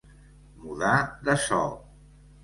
Mudar de so.